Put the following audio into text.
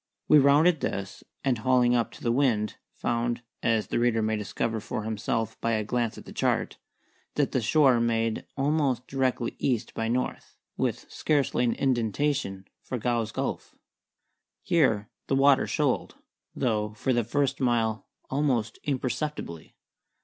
We rounded this, and, hauling up to the wind, found (as the reader may discover for himself by a glance at the chart) that the shore made almost directly E. by N., with scarcely an indentation, for Gow's Gulf. Here the water shoaled, though for the first mile almost imperceptibly.